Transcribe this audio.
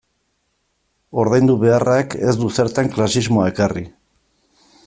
Ordaindu beharrak ez du zertan klasismoa ekarri.